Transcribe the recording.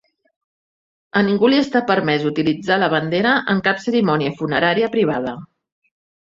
A ningú li està permès utilitzar la bandera en cap cerimònia funerària privada.